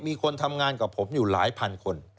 มีคนทำงานกับผมอยู่หลายพันคน